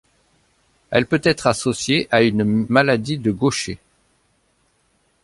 Elle peut être associée à une maladie de Gaucher.